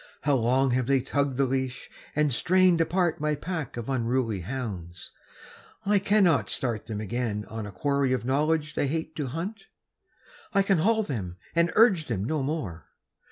How long have they tugged the leash, and strained apart My pack of unruly hounds: I cannot start Them again on a quarry of knowledge they hate to hunt, I can haul them and urge them no more.